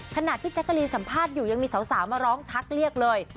ขณะที่แจ๊กกะรีนสัมภาษณ์อยู่ยังมีสาวมาร้องทักเรียกเลย